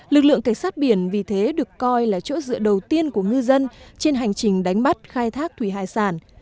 lực lượng cảnh sát biển vì thế được coi là chỗ dựa đầu tiên của ngư dân trên hành trình đánh bắt khai thác thủy hải sản